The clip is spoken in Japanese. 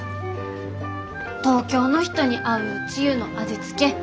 東京の人に合うつゆの味付け